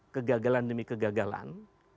kegagalan demi kegagalan